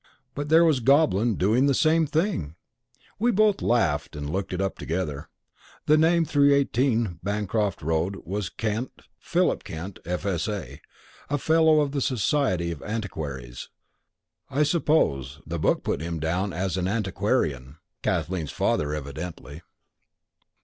But there was Goblin doing the same thing! We both laughed and looked it up together. The name at 318, Bancroft Road was Kent, Philip Kent, F.S.A., Fellow of the Society of Antiquaries, I suppose: the book put him down as an "antiquarian." Kathleen's father, evidently.